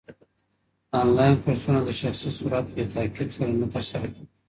انلاين کورسونه د شخصي سرعت بې تعقيب سره نه ترسره کيږي.